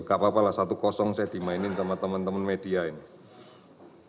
gak apa apa lah satu kosong saya dimainin sama teman teman media ini